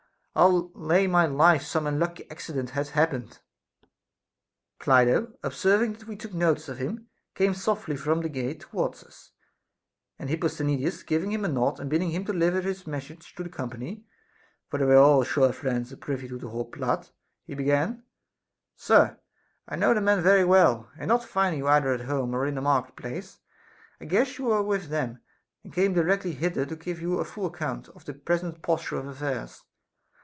Ill lay my life some unlucky accident hath happened. Clido, observing that we took notice of him, came softly from the gate towards us ; and Hipposthenides giving him a nod and bidding him deliver his message to the company, for they were all sure friends and privy to the whole plot, he began : Sir, I know the men very well, and not finding you either at home or in the market place, I guessed you were with them, and came directly hither to give you a full account of the present posture of affairs.